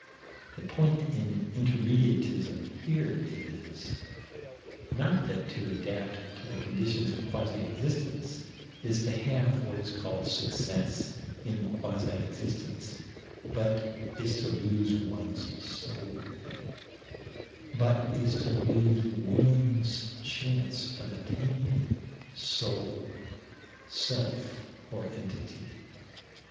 The point in Intermediatism here is: Not that to adapt to the conditions of quasi existence is to have what is called success in quasi existence, but is to lose one's soul But is to lose "one's" chance of attaining soul, self, or entity.